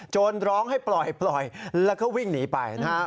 ร้องให้ปล่อยแล้วก็วิ่งหนีไปนะครับ